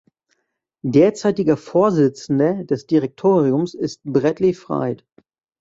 Derzeitiger Vorsitzender des Direktoriums ist Bradley Fried.